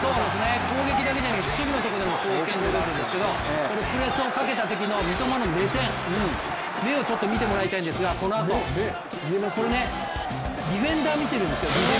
攻撃だけじゃなく守備のところでも生きるんですけど、プレスをかけたときの三笘の目線目をちょっと見てもらいたいんですがこのあと、これディフェンダー見ているんですよ。